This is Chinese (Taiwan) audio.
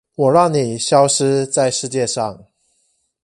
我讓你消失在世界上